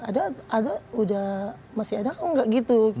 ada udah masih ada enggak gitu